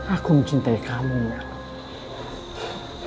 aku mencintai kamu mas